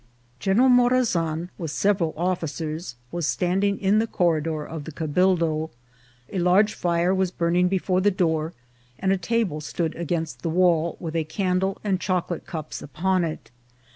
General Morazan, with several officers, was standing in the corridor of the cabildo ; a large fire was burning before the door, and a table stood against the wall, with a candle and chocolate cups upon it.